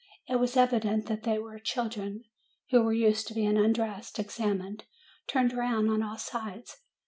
It was evident that they were 245 246 MAY children who were used to being undressed, examined, turned round on all sides.